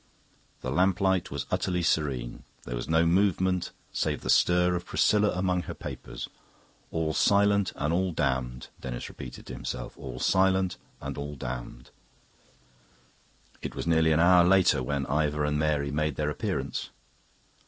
The lamplight was utterly serene; there was no movement save the stir of Priscilla among her papers. All silent and all damned, Denis repeated to himself, all silent and all damned... It was nearly an hour later when Ivor and Mary made their appearance.